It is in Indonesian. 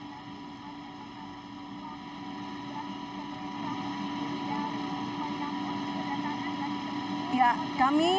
ya kami dapat sebutkan sepuluh wni tersebut adalah peter thompson barahama